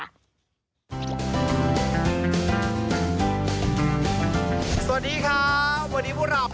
สวัสดีครับวันนี้พูดรับ